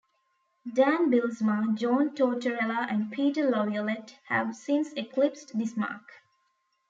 Dan Bylsma, John Tortorella and Peter Laviolette have since eclipsed this mark.